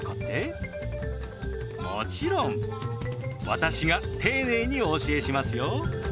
もちろん私が丁寧にお教えしますよ。